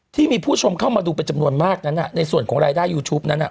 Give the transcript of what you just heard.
ที่มีผู้ชมเข้ามาดูเป็นจำนวนมากนั้นในส่วนของรายได้ยูทูปนั้น